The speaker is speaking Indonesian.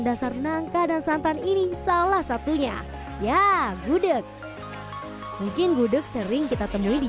dasar nangka dan santan ini salah satunya ya gudeg mungkin gudeg sering kita temui di